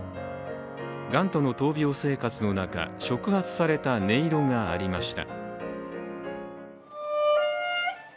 がんとの闘病生活の中、触発された音色がありました。